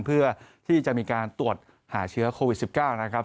เพื่อที่จะมีการตรวจหาเชื้อโควิด๑๙นะครับ